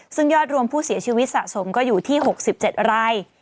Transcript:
ซึ่งยอดรวมผู้เสียชีวิตสะสมก็อยู่ที่๖๗ราย